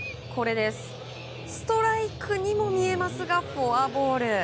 ストライクにも見えますがフォアボール。